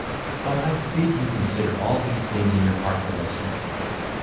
But I bid you consider all these things in your heart as I say.